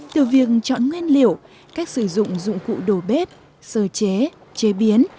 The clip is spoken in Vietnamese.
từ việc chọn nguyên liệu cách sử dụng dụng cụ đồ bếp sơ chế chế biến